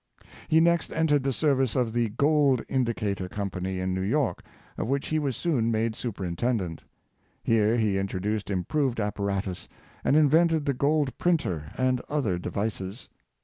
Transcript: He next entered the service of the Gold Indicator company in New York, of which he was soon made superintendent. Here he introduced improved appa ratus, and invented the gold printer and other devices.